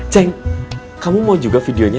ceng kamu mau juga videonya